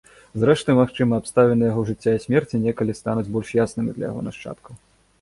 Зрэшты, магчыма, абставіны яго жыцця і смерці некалі стануць больш яснымі для яго нашчадкаў.